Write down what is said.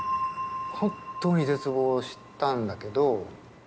本当に絶望したんだけど。